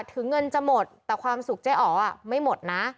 ถึงเงินจะหมดแต่ความสุขเจ๊อ๋อไม่หมดนะ